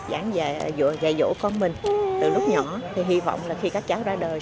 và dạy dỗ con mình từ lúc nhỏ thì hy vọng là khi các cháu ra đời